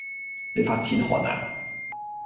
你發錢寒呀